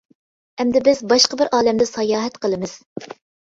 ئەمدى بىز باشقا بىر ئالەمدە ساياھەت قىلىمىز.